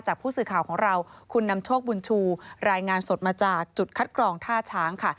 ผู้สื่อข่าวของเราคุณนำโชคบุญชูรายงานสดมาจากจุดคัดกรองท่าช้างค่ะ